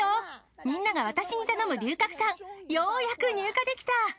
みんなが私に頼む龍角散、ようやく入荷できた。